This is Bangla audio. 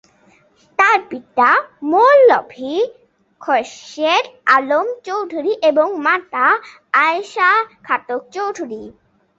তার পিতা মৌলভী খোরশেদ আলম চৌধুরী এবং মাতা আয়েশা খাতুন চৌধুরী।